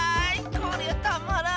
こりゃたまらん！